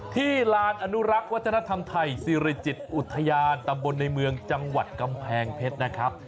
ลานอนุรักษ์วัฒนธรรมไทยสิริจิตอุทยานตำบลในเมืองจังหวัดกำแพงเพชรนะครับ